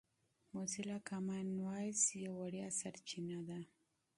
موزیلا کامن وایس یوه وړیا سرچینه ده.